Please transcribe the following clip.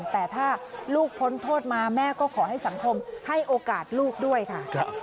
แต่ถ้าลูกพ้นโทษมาแม่ก็ขอให้สังคมให้โอกาสลูกด้วยค่ะ